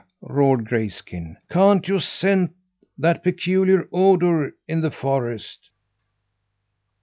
roared Grayskin; "can't you scent that peculiar odour in the forest?"